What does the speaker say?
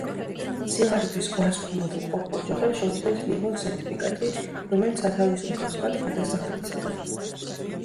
სიღარიბის ზღვარს ქვემოთ მყოფ ოჯახებს შეუძლიათ მიიღონ სერტიფიკატი, რომელიც ათავისუფლებს მათ გადასახადისაგან.